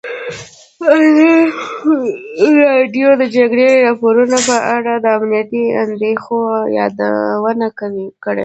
ازادي راډیو د د جګړې راپورونه په اړه د امنیتي اندېښنو یادونه کړې.